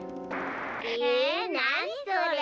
ええなにそれ？